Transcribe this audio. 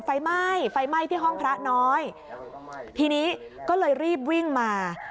ไฟไหม้ไฟไหม้ที่ห้องพระน้อยทีนี้ก็เลยรีบวิ่งมา